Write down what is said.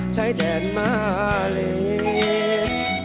ใช้แดดมาเล่น